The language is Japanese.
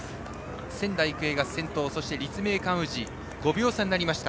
仙台育英が先頭立命館宇治５秒差になりました。